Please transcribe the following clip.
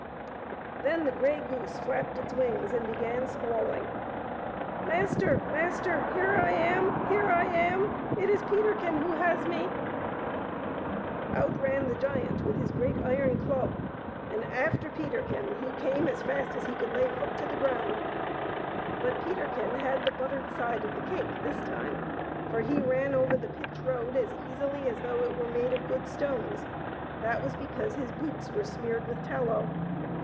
Then the grey goose flapped its wings and began squalling. " Master ! master ! Here I am ! here I am ! It is Peterkin who has me !" Out ran the giant with his great iron club, and after Peterkin he came I82 PETERKIN AND THE LITTLE GREY HARE. as fast as he could lay foot to the ground. But Peterkin had the buttered side of the cake this time, for he ran over the pitch road as easily as though it were made of good stones; that was because his boots were smeared with tallow.